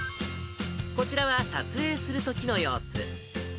こちらは撮影するときの様子。